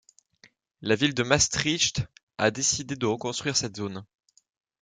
La ville de Maastricht a décidé de reconstruire cette zone.